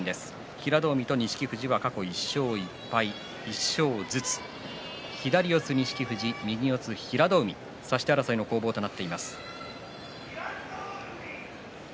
平戸海と錦富士、過去１勝１敗左四つ錦富士、右四つ平戸海差し手争いの攻防です。